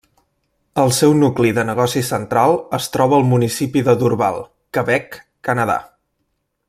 El seu nucli de negoci central es troba al municipi de Dorval, Quebec, Canadà.